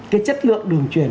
cái chất lượng đường truyền